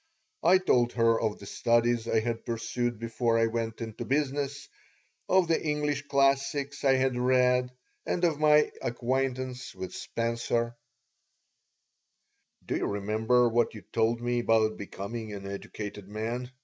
I told her of the studies I had pursued before I went into business, of the English classics I had read, and of my acquaintance with Spencer "Do you remember what you told me about becoming an educated man?"